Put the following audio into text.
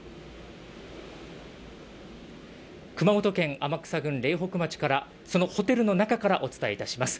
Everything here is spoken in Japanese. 熊本県天草郡苓北町からそのホテルの中からお伝えいたします。